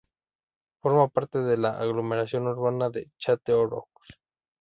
Forma parte de la aglomeración urbana de Châteauroux.